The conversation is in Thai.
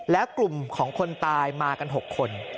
แล้วกลุ่มของคนตายมากัน๖คน